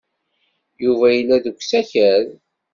Yuba yella deg usakal.